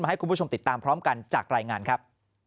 ให้คุณผู้ชมติดตามพร้อมกันจากรายงานครับ